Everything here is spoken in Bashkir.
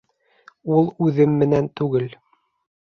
Ул үҙем менән түгел.